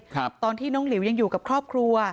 ตอนที่น้องหลิวยังอยู่กับครอบครัว